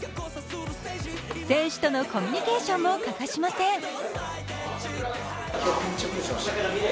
選手とのコミュニケーションも欠かしません。